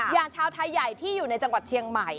อย่างชาวไทยใหญ่ที่อยู่ในจังหวัดเชียงใหม่